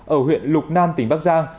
ở huyện lục nam tỉnh bắc giang